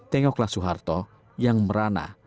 tengoklah soeharto yang merana